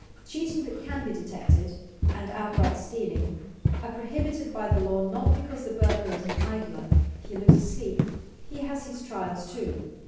Cheating that can be detected, and outright stealing, are prohibited by the law not because the burglar is an idler; he loses sleep; he has his trials too.